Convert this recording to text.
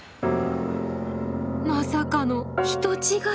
まさかの人違い。